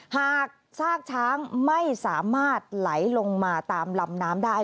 หากซากช้างไม่สามารถไหลลงมาตามลำน้ำได้